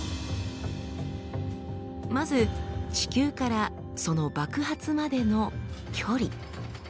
まず地球からその爆発までの距離。